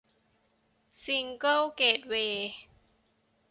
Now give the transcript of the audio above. ซิงเกิ้ลเกตเวย์